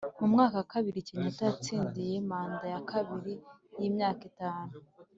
mu mwaka wa kenyata yatsindiye manda ya kabiri y’imyaka itanu,